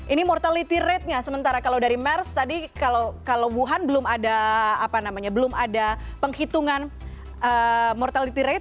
ini mortality ratenya sementara kalau dari mers tadi kalau wuhan belum ada belum ada penghitungan mortality rate